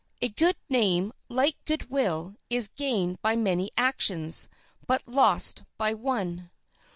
A good name, like good will, is gained by many actions, but lost by one.